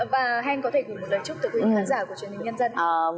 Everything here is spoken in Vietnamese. và hèn có thể gửi một lời chúc tựa quý khán giả của truyền hình nhân dân